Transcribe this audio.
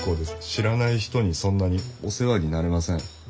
知らない人にそんなにお世話になれません。